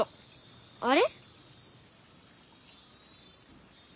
あれ？